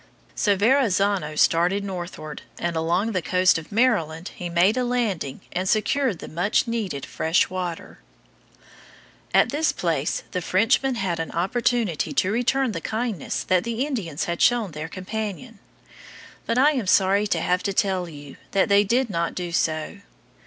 So Verrazzano started northward, and along the coast of Maryland he made a landing and secured the much needed fresh water. At this place the Frenchmen had an opportunity to return the kindness that the Indians had shown their companion, but I am sorry to have to tell you that they did not do so.